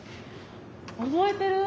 覚えてる？